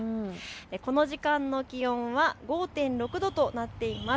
この時間の気温は５．６度となっています。